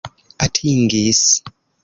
atingis